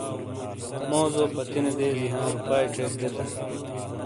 موزو پتِینے دیزی ہاں روپاۓ ژیک دیتا